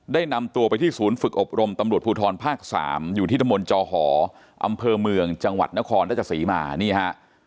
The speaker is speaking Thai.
นำตัวไปที่ศูนย์ฝึกอบรมตำรวจภูทรภาค๓อยู่ที่ตะมนต์จอหออำเภอเมืองจังหวัดนครราชสีมานี่ฮะ